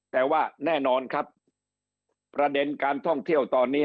แต่ว่าแน่นอนครับประเด็นการท่องเที่ยวตอนนี้